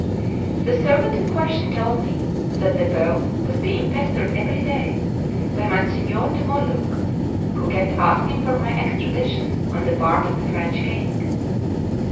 The servant in question told me that the Pope was being pestered every day by Monsignor di Morluc, who kept asking for my extradition on the part of the French King.